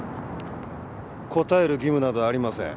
答える義務などありません。